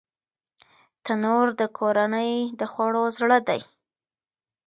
تنور د کورنۍ د خوړو زړه دی